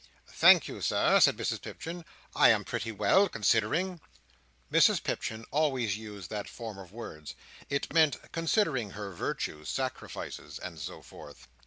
"Thank you, Sir," said Mrs Pipchin, "I am pretty well, considering." Mrs Pipchin always used that form of words. It meant, considering her virtues, sacrifices, and so forth.